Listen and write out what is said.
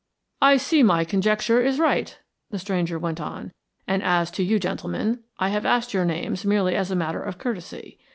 "I see my conjecture is quite right," the stranger went on. "And as to you gentlemen, I have asked your names merely as a matter of courtesy.